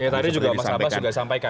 ya tadi juga mas abah sudah sampaikan